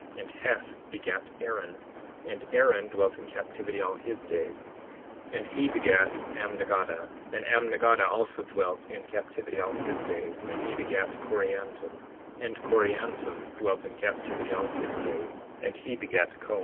And Heth begat Aaron, and Aaron dwelt in captivity all his days; and he begat Amnigaddah, and Amnigaddah also dwelt in captivity all his days; and he begat Coriantum, and Coriantum dwelt in captivity all his days; and he begat Com.